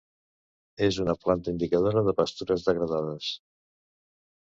És una planta indicadora de pastures degradades.